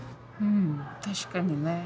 確かにね。